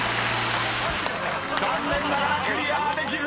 ［残念ながらクリアできず！］